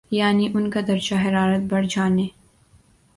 یعنی ان کا درجہ حرارت بڑھ جانے